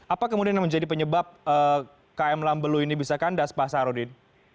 apa kemudian yang menjadi penyebab km lambelu ini bisa kandas pak sarudin